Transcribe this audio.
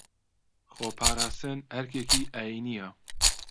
خۆپاراستن ئەرکێکی ئاینییە